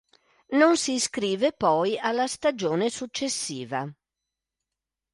Non si iscrive poi alla stagione successiva.